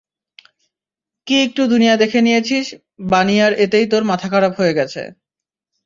কি একটু দুনিয়া দেখে নিয়েছিস, বানি আর এতেই তোর মাথা খারাপ হয়ে গেছে!